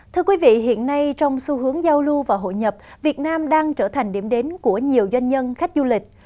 thưa quý vị hiện nay trong xu hướng giao lưu và hội nhập việt nam đang trở thành điểm đến của nhiều doanh nhân khách du lịch